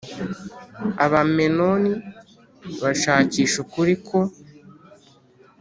Abamenoni bashakisha ukuri ko